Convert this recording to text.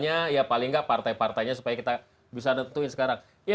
udah pilih ganti presiden aja yang pasti